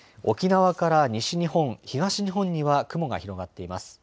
沖縄から西日本、東日本には雲が広がっています。